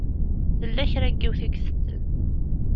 Tella kra n yiwet i itetten.